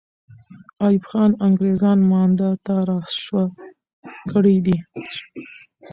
ایوب خان انګریزان مانده ته را شوه کړي دي.